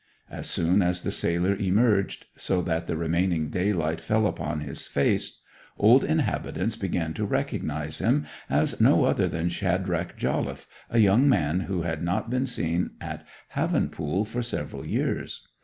As soon as the sailor emerged, so that the remaining daylight fell upon his face, old inhabitants began to recognize him as no other than Shadrach Jolliffe, a young man who had not been seen at Havenpool for several years.